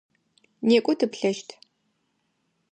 Некӏо тыплъэщт!